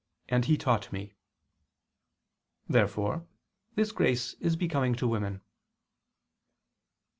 And he taught me.']." Therefore this grace is becoming to women.